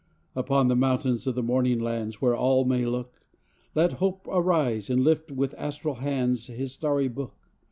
Upon the mountains of the morning lands, Where all may look, Let Hope arise and lift with astral hands His starry book.